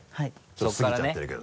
ちょっと過ぎちゃってるけど。